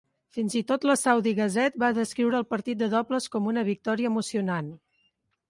Fins i tot la "Saudi Gazette" va descriure el partit de dobles com una victòria "emocionant".